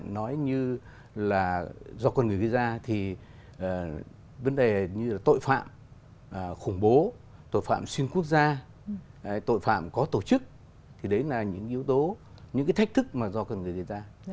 nói như là do con người gây ra thì vấn đề như là tội phạm khủng bố tội phạm xuyên quốc gia tội phạm có tổ chức thì đấy là những yếu tố những cái thách thức mà do con người gây ra